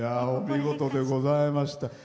見事でございました。